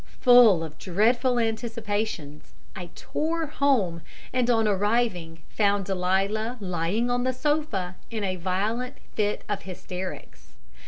Full of dreadful anticipations, I tore home, and on arriving found Delia lying on the sofa in a violent fit of hysterics.